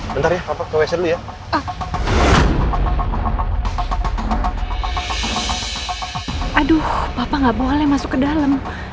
makanya papa juga mau numpang toilet disini